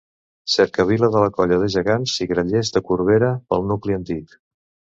Cercavila de la Colla de Gegants i Grallers de Corbera, pel nucli antic.